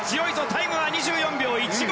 タイムは２４秒１５。